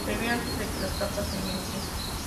Servir antes de que las capas se mezclen.